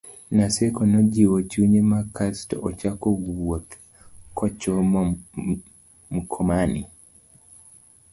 Naseko nojiwo chunye ma kasto ochako wuoth kochomo Mkomani